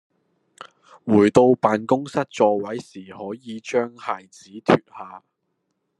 回到辦公室座位時可以將鞋子脫下